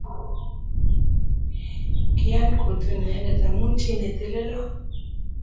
Kiiyan kotun inendet amu chi ne telelot